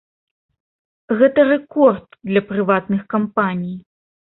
Гэта рэкорд для прыватных кампаній.